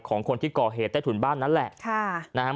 ของคนที่ก่อเหตุใต้ถุนบ้านนั้นแหละ